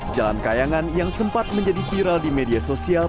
jalan kayangan yang sempat menjadi viral di media sosial